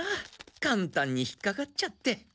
簡単に引っかかっちゃって。